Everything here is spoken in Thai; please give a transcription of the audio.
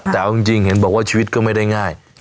แต่เอาจริงเห็นบอกว่าชีวิตก็ไม่ได้ง่าย